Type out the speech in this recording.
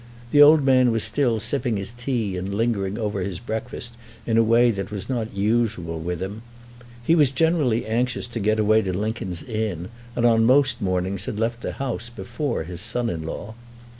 The old man was still sipping his tea and lingering over his breakfast in a way that was not usual with him. He was generally anxious to get away to Lincoln's Inn, and on most mornings had left the house before his son in law.